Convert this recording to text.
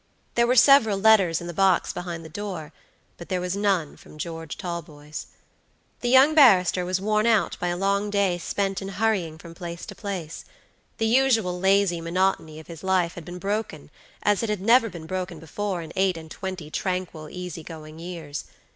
There were several letters in the box behind the door, but there was none from George Talboys. The young barrister was worn out by a long day spent in hurrying from place to place. The usual lazy monotony of his life had been broken as it had never been broken before in eight and twenty tranquil, easy going years.